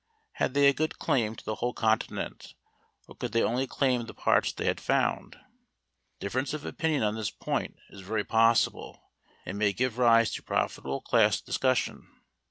Had they a good claim to the whole continent or could they only claim the parts they had found? Difference of opinion on this point is very possible and may give rise to profitable class discussion.